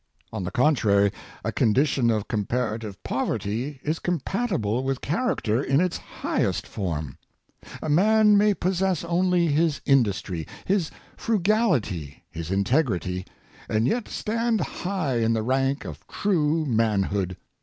On the contrary, a condition of comparative poverty is compatible with character in its highest form. A man may possess only his industry, his frugality, his integrity, and yet stand high in the rank of true man hood.